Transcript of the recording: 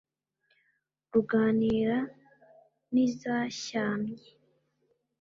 ruganira n' izashyamye,